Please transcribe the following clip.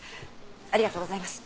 ありがとうございます。